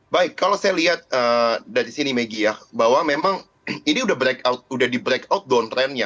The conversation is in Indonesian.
baik kalau saya lihat dari sini megi bahwa memang ini sudah di breakout downtrendnya